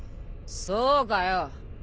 そうかよ。